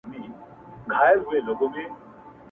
مرغکۍ دلته ګېډۍ دي د اغزیو -